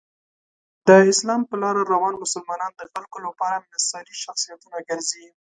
د اسلام په لاره روان مسلمانان د خلکو لپاره مثالي شخصیتونه ګرځي.